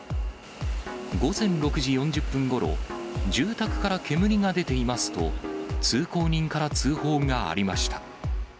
午前６時４０分ごろ、住宅から煙が出ていますと、通行人から通報がありました。